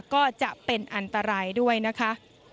ก็จะเป็นอันตรายด้วยนะคะ